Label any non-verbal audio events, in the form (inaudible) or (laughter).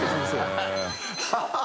ハハハ (laughs)